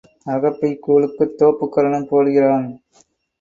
அகப்பைக் கூழுக்குத் தோப்புக்கரணம் போடுகிறான்.